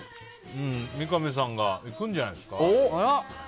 三上さんが行くんじゃないですか？